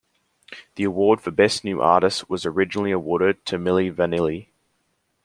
The award for Best New Artist was originally awarded to Milli Vanilli.